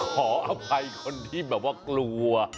ขออภัยคนที่แบบว่ากลัว